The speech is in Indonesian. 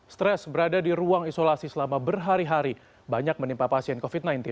stres berada di ruang isolasi selama berhari hari banyak menimpa pasien covid sembilan belas